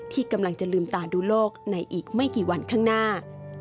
ที่กำลังจะลืมตาดูโลกในอีกไม่กี่วันข้างหน้า